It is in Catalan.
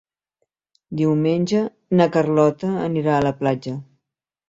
Diumenge na Carlota anirà a la platja.